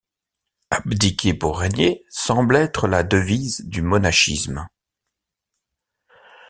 Abdiquer pour régner, semble être la devise du monachisme.